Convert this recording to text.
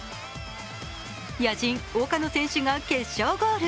野人・岡野選手が決勝ゴール。